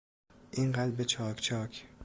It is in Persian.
این قلب چاک چاک